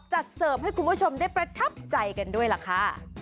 เสิร์ฟให้คุณผู้ชมได้ประทับใจกันด้วยล่ะค่ะ